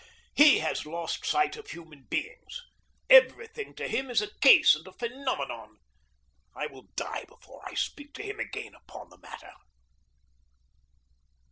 He has lost sight of human beings. Every thing to him is a case and a phenomenon. I will die before I speak to him again upon the matter.